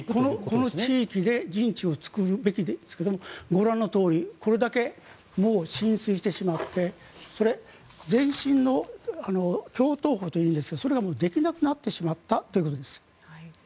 この地域で陣地を作るべきですがご覧のとおりこれだけもう浸水してしまって前進の橋頭保というんですがそれができなくなってしまったということです。